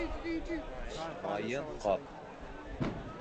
Майын ҡап